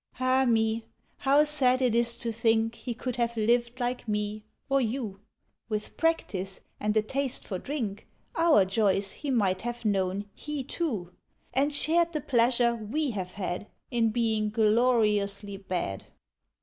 Ah me! How sad it is to think He could have lived like me or you! With practice and a taste for drink, Our joys he might have known, he too! And shared the pleasure we have had In being gloriously bad!